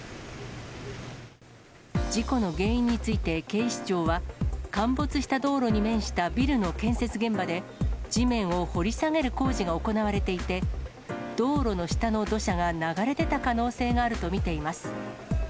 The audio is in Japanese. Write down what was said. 事故の原因について、警視庁は、陥没した道路に面したビルの建設現場で、地面を掘り下げる工事が行われていて、道路の下の土砂が流れ出た可能性があると見ています。